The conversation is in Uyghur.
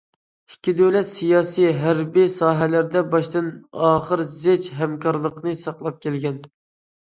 ئىككى دۆلەت سىياسىي، ھەربىي ساھەلەردە باشتىن ئاخىر زىچ ھەمكارلىقنى ساقلاپ كەلگەن.